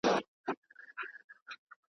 په ځنګلونو کي یې نسل ور پایمال که.